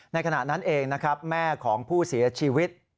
ขณะนั้นเองนะครับแม่ของผู้เสียชีวิต